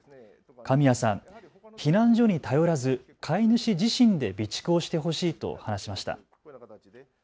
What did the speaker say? カミヤさん、避難所に頼らず飼い主自身で備蓄をしてほしいと話しました。